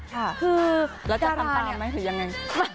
คือแล้วจะทำตามมั้ยคือยังไง